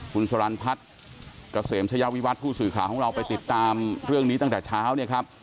คุณสรรพัฒน์เกษมชายาวิวัติผู้สื่อข่าวของเราไปติดตามเรื่องนี้ตั้งแต่เช้าเนี่ยครับ